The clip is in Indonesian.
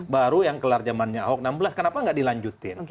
baru yang kelar zamannya ahok enam belas kenapa nggak dilanjutin